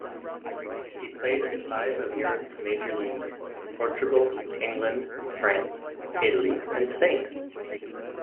He played in five of Europe's major leagues: Portugal, England, France, Italy and Spain.